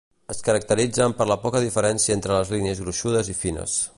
Es caracteritzen per la poca diferència entre les línies gruixudes i fines.